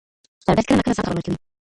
سردرد کله نا کله ځان ته خبر ورکوي.